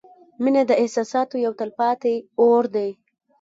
• مینه د احساساتو یو تلپاتې اور دی.